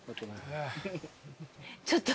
ちょっと。